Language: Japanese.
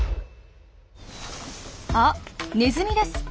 あネズミです。